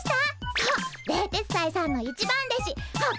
そう冷徹斎さんの一番弟子北斗七星の。